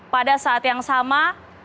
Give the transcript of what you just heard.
pada saat yang sama